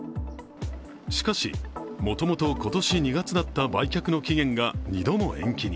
しかし、もともと今年２月だった売却の期限が２度の延期に。